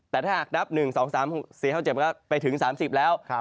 แต่ถ้าหากนับ๑๓๐ไปถึง๓๐แล้ว